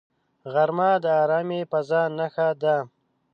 غرمه د آرامې فضاء نښه ده